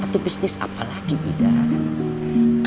atau bisnis apa lagi idan